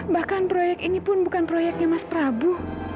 bahkan proyek ini pun bukan proyeknya mas prabu